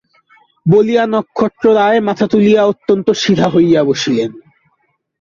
বলিয়া নক্ষত্ররায় মাথা তুলিয়া অত্যন্ত সিধা হইয়া বসিলেন।